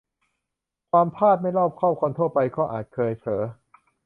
ความพลาด-ไม่รอบคอบ คนทั่วไปก็อาจเคยเผลอ